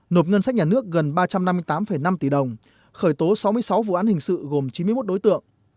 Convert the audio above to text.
nộp ngân sách nhà nước gần ba trăm năm mươi tám năm tỷ đồng khởi tố sáu mươi sáu vụ án hình sự gồm chín mươi một đối tượng